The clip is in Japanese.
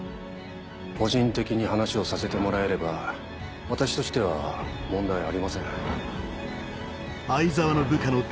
個人的に話をさせてもらえれば私としては問題ありません。